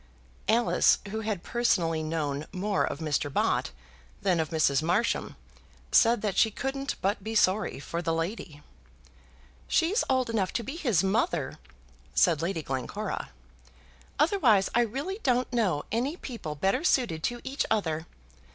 Alice, who had personally known more of Mr. Bott than of Mrs. Marsham, said that she couldn't but be sorry for the lady. "She's old enough to be his mother," said Lady Glencora, "otherwise I really don't know any people better suited to each other.